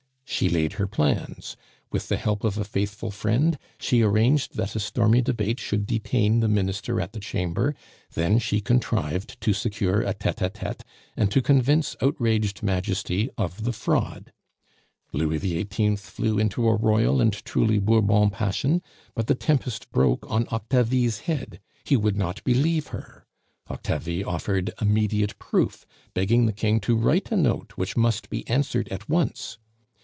She laid her plans. With the help of a faithful friend, she arranged that a stormy debate should detain the Minister at the Chamber; then she contrived to secure a tete a tete, and to convince outraged Majesty of the fraud. Louis XVIII. flew into a royal and truly Bourbon passion, but the tempest broke on Octavie's head. He would not believe her. Octavie offered immediate proof, begging the King to write a note which must be answered at once.